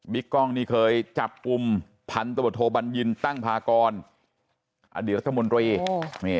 บิ๊กกล้องนี้เคยจับกุมพันธุบันยินตั้งพากรอเดียรัฐมนตรี